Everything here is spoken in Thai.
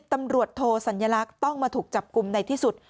ตำรวจโทสัญลักษณ์ต้องมาถูกจับกลุ่มในที่สุด